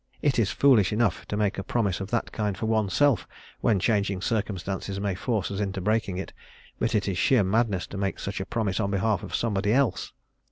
It is foolish enough to make a promise of that kind for oneself when changing circumstances may force us into breaking it, but it is sheer madness to make such a promise on behalf of somebody else.